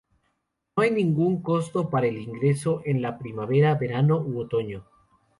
No hay ningún costo para el ingreso en la primavera, verano u otoño.